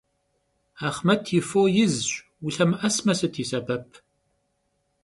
Axhmet yi fo yizş, vulhemı'esme sıt yi sebep.